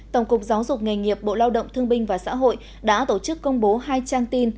tổng cục giáo dục nghề nghiệp bộ lao động thương binh và xã hội đã tổ chức công bố hai trang tin